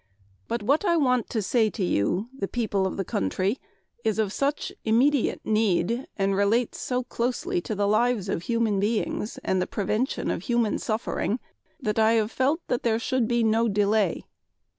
But what I want to say to you, the people of the country, is of such immediate need and relates so closely to the lives of human beings and the prevention of human suffering that I have felt that there should be no delay.